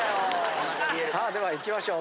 さあでは行きましょう。